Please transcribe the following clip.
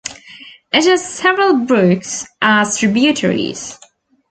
It has several brooks as tributaries.